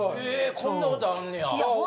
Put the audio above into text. えこんなことあんねや。